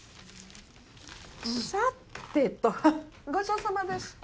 さてとごちそうさまでした。